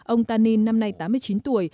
ông tanin năm nay tám mươi chín tuổi